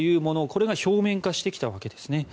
これが表面化してきたわけなんです。